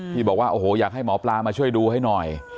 ที่บอกว่าโอ้โหอยากให้หมอปลามาช่วยดูให้หน่อย